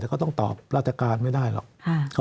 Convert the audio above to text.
เขาต้องตอบราชการไม่ได้หรอก